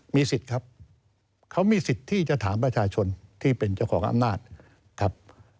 มีสิทธิ์ครับเขามีสิทธิ์ที่จะถามประชาชนที่เป็นเจ้าของอำนาจครับ